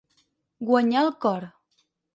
Guanyar el cor.